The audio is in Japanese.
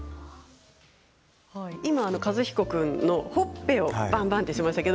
今、和彦君のほっぺをばんばんとしましたが。